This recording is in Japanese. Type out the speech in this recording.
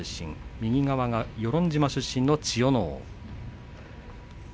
右側は与論島出身の千代ノ皇です。